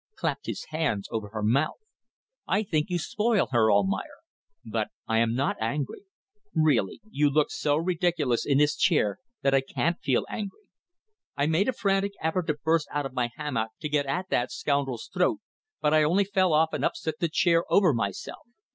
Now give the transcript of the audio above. Clapped his hands over her mouth. I think you spoil her, Almayer. But I am not angry. Really, you look so ridiculous in this chair that I can't feel angry.' I made a frantic effort to burst out of my hammock to get at that scoundrel's throat, but I only fell off and upset the chair over myself.